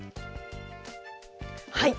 はい。